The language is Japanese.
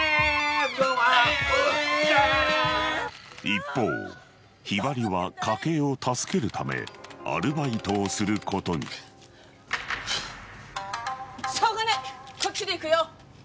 一方雲雀は家計を助けるためアルバイトをすることにハァしょうがないこっちで行くよ！